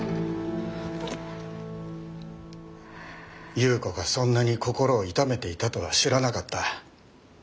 夕子がそんなに心をいためていたとは知らなかった。